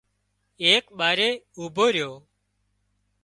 ايڪ ٻارئي اوڀو ريو